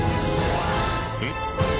えっ？